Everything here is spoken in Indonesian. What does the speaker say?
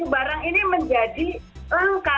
barang ini menjadi langka